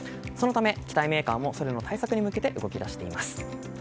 そのため、機体メーカーもそれらの対策に向けて動き出しています。